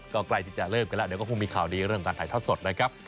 ก็ใกล้ที่จะเริ่มกันแล้วเดี๋ยวก็คงมีข่าวดีเรื่องการถ่ายทอดสดนะครับ